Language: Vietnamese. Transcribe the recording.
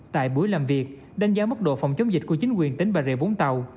tại buổi làm việc đánh giá mức độ phòng chống dịch của chính quyền tỉnh bà rịa vũng tàu